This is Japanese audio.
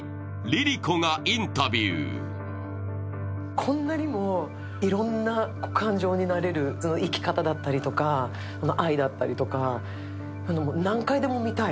こんなにもいろんな感情になれる、生き方だったりとか愛だったりとか、何回でも見たい。